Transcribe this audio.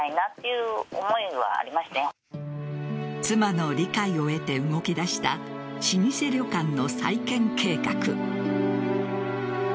妻の理解を得て動き出した老舗旅館の再建計画。